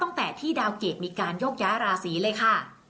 ส่งผลทำให้ดวงชะตาของชาวราศีมีนดีแบบสุดเลยนะคะ